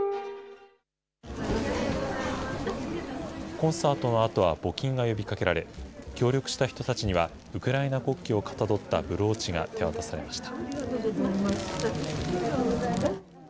コンサートのあとは募金が呼びかけられ、協力した人たちにはウクライナ国旗をかたどったブローチが手渡されました。